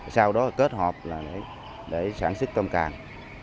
sau đó kết hợp để sản xuất tôm càng